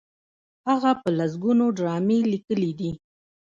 هغه په لسګونو ډرامې لیکلي دي.